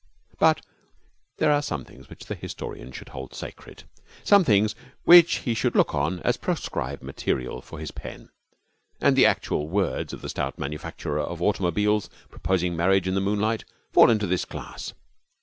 But there are some things which the historian should hold sacred, some things which he should look on as proscribed material for his pen, and the actual words of a stout manufacturer of automobiles proposing marriage in the moonlight fall into this class.